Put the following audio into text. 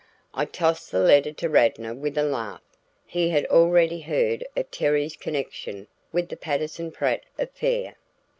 I tossed the letter to Radnor with a laugh; he had already heard of Terry's connection with the Patterson Pratt affair.